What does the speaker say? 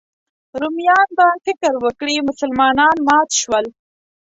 رومیان به فکر وکړي مسلمانان مات شول.